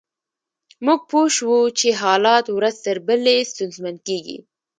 موږ پوه شوو چې حالات ورځ تر بلې ستونزمن کیږي